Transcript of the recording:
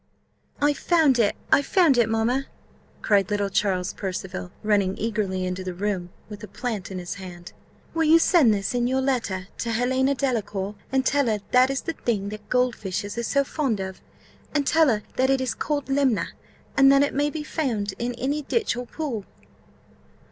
"I've found it! I've found it, mamma!" cried little Charles Percival, running eagerly into the room with a plant in his hand. "Will you send this in your letter to Helena Delacour, and tell her that is the thing that gold fishes are so fond of? And tell her that it is called lemna, and that it may be found in any ditch or pool."